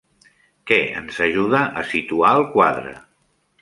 Què ens ajuda a situar el quadre?